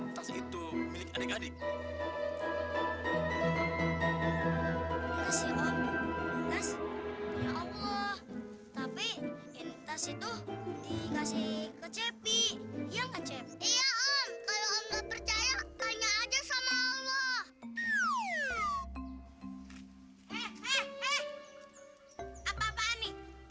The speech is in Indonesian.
kasih om ya allah tapi ini tas itu dikasih ke cepi yang aja sama allah